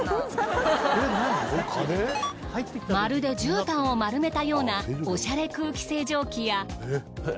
まるで絨毯を丸めたようなおしゃれ空気清浄機や。